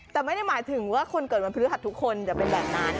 แต่ไม่ได้หมายถึงว่าคนเกิดวันพฤหัสทุกคนจะเป็นแบบนั้น